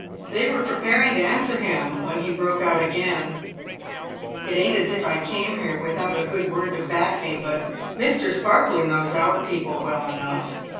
They were preparing to answer him, when he broke out again :" It ain't as if I came here without a good word to back me, but Mr. Sparkler knows our people w r ell enough."